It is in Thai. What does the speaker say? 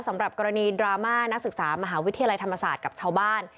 สำหรับกรณีดราม่านักศึกษามหาวิทยาลัยธรรมศาสตร์กับชาวบ้าน